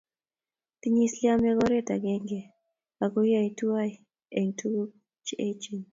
Tinyei islamek oret agenge ako yoe tuwai eng' tuguk che echen